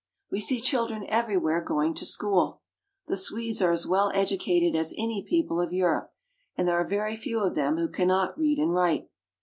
We see children everywhere going to school. The Swedes are as well educated as any people of Europe, and there are very few of them who cannot read and write.